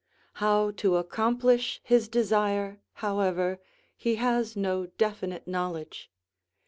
How to accomplish his desire, however, he has no definite knowledge.